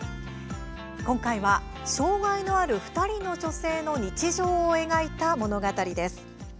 今回は、障害のある２人の女性の日常を描いた物語です。